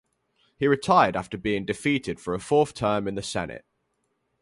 He retired after being defeated for a fourth term in the Senate.